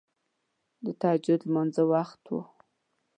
د تهجد لمانځه وخت وو.